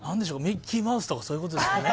ミッキーマウスとかそういうことですかね